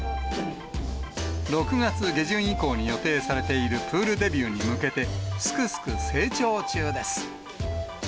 ６月下旬以降に予定されているプールデビューに向けて、すくすく成長中です。